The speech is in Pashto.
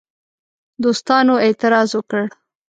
دوستانو اعتراض وکړ.